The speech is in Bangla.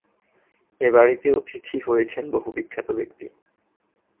এ বাড়িতে অতিথি হয়েছেন বহু বিখ্যাত ব্যক্তি।